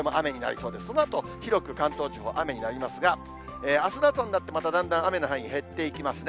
そのあと、広く関東地方、雨になりますが、あすの朝になって、まただんだん雨の範囲減っていきますね。